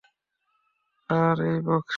আর ওই বক্সে?